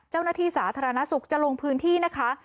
เจ้าหน้าที่สาธารณสุขจะลงพื้นที่นะคะ